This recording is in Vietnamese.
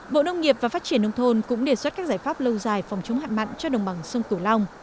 bộ nông nghiệp và phát triển nông thôn cũng đề xuất các giải pháp lâu dài phòng chống hạn mặn cho đồng bằng sông cửu long